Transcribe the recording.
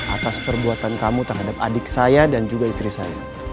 atas perbuatan kamu terhadap adik saya dan juga istri saya